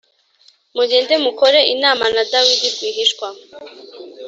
mugende mukore inama na Dawidi rwihishwa.